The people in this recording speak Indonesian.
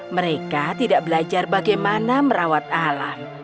mereka tidak belajar bagaimana merawat alam